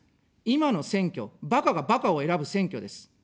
今の選挙、ばかがばかを選ぶ選挙です。